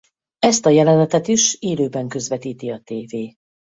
Ezt a jelenetet is élőben közvetíti a tévé.